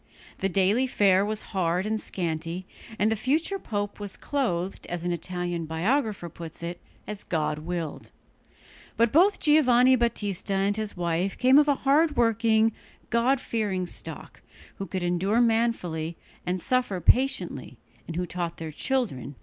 The daily fare was hard and scanty, and the future pope was clothed, as an Italian biographer puts it, "as God willed." But both Giovanni Battista and his wife came of a hard working, God fearing stock, who could endure manfully and suffer patiently, and who taught their children to do the same.